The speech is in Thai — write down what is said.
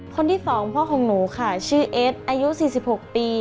คนที่๒พ่อของหนูค่ะชื่อเอสอายุ๔๖ปี